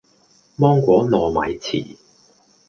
芒果糯米糍